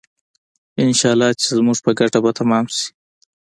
انشاالله چې زموږ په ګټه به تمام شي.